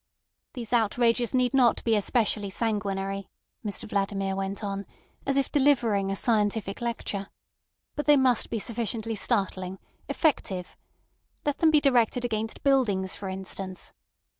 "These outrages need not be especially sanguinary," Mr Vladimir went on, as if delivering a scientific lecture, "but they must be sufficiently startling—effective. Let them be directed against buildings, for instance.